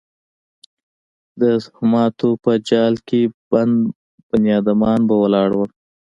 د توهماتو په جال کې بند بنیادمان به ولاړ وو.